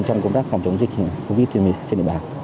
trong công tác phòng chống dịch covid trên địa bàn